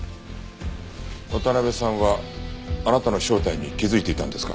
渡辺さんはあなたの正体に気づいていたんですか？